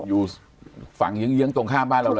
อยู่ฝั่งเยื้องตรงข้ามบ้านเราเลย